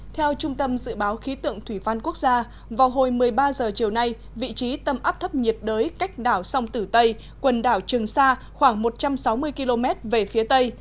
theo trung tâm dự báo khí tượng thủy văn quốc gia vào hồi một mươi ba h chiều nay vị trí tâm áp thấp nhiệt đới cách đảo sông tử tây quần đảo trường sa khoảng một trăm sáu mươi km về phía tây